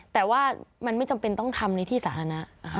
แต่ว่ามันไม่จำเป็นต้องทำในที่สาธารณะนะคะ